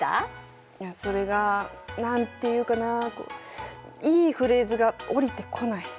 いやそれが何て言うかなあこういいフレーズが降りてこない。